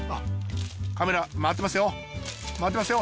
カメラ回ってますよ